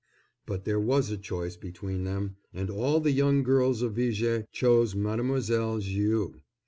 But there was a choice between them, and all the young girls of Viger chose Mademoiselle Viau.